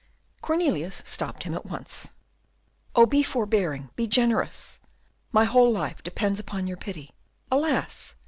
Cornelius stopped him once more. "Oh, be forbearing, be generous! my whole life depends upon your pity. Alas!